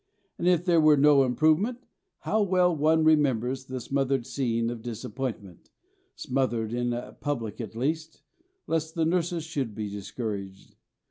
And if there were no improvement, how well one remembers the smothered sense of disappointment smothered in public at least, lest the nurses should be discouraged.